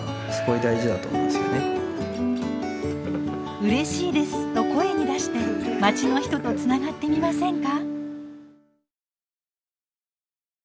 「うれしいです」と声に出してまちの人とつながってみませんか？